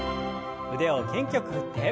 腕を元気よく振って。